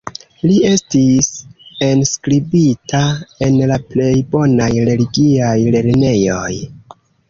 Li estis enskribita en la plej bonaj religiaj lernejoj.